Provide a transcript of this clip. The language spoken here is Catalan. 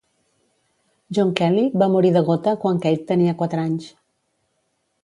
John Kelly va morir de gota quan Kate tenia quatre anys.